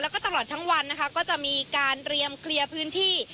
แล้วก็ตลอดทั้งวันนะคะก็จะมีการเรียมเคลียร์พื้นที่